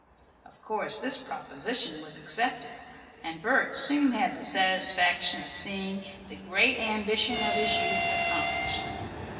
Of course this proposition was accepted; and Bert soon had the satisfaction of seeing the great ambition of his youth accomplished.